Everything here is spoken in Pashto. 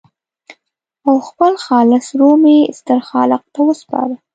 او خپل خالص روح مې ستر خالق ته وسپاره.